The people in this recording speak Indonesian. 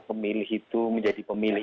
pemilih itu menjadi pemilih